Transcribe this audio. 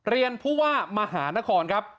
เรียนผู้ว่ามหานครครับ